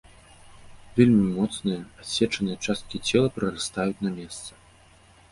Вельмі моцныя, адсечаныя часткі цела прырастаюць на месца.